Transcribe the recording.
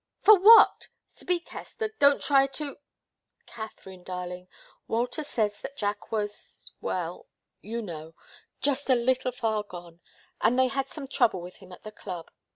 For what? Speak, Hester! Don't try to " "Katharine darling, Walter says that Jack was well you know just a little far gone and they had some trouble with him at the club.